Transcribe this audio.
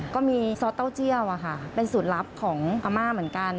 ซอสเต้าเจียวเป็นสูตรลับของอาม่าเหมือนกัน